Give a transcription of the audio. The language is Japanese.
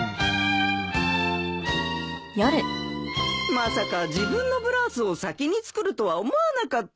まさか自分のブラウスを先に作るとは思わなかったよ。